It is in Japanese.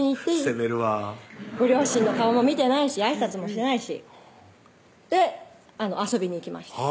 攻めるわ「ご両親の顔も見てないしあいさつもしてないし」で遊びに行きました